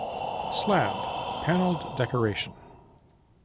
Slab, panelled decoration.